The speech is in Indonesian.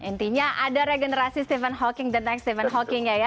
intinya ada regenerasi stephen hawking the next stephen hawking ya